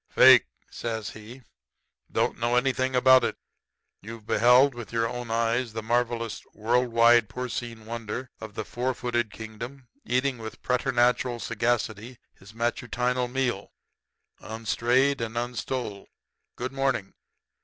"'Fake,' says he. 'Don't know anything about it. You've beheld with your own eyes the marvelous, world wide porcine wonder of the four footed kingdom eating with preternatural sagacity his matutinal meal, unstrayed and unstole. Good morning.'